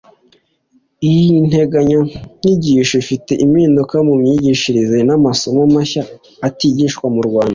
iyi nteganyanyigisho ifite impinduka mu myigishirize n’amasomo mashya atigishwaga mu Rwanda